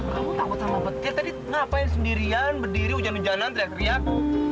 kamu takut sama petir tadi ngapain sendirian berdiri hujan hujanan teriak teriak